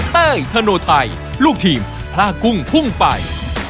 เต้ยธโนไทยลูกทีมพลากุ้งพุ่งไป